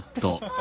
あ！